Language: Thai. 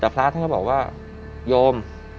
พระอาท่านก็บอกว่ายม